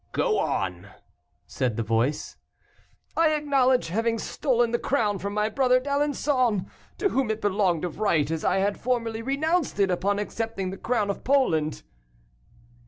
"Go on," said the voice. "I acknowledge having stolen the crown from my brother D'Alençon, to whom it belonged of right, as I had formerly renounced it on accepting the crown of Poland."